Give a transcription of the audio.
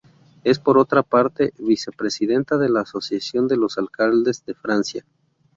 Es, por otra parte, vicepresidenta de la Asociación de los alcaldes de Francia.